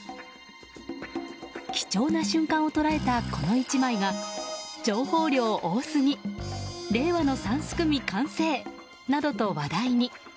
貴重な瞬間を捉えたこの１枚が情報量多すぎ令和の三すくみ完成などと話題に。